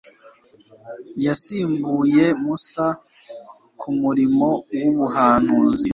yasimbuye musa ku murimo w'ubuhanuzi